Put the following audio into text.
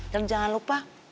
dan jangan lupa